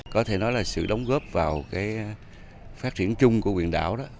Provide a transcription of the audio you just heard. có thể nói là sự đóng góp vào phát triển chung của quyền đảo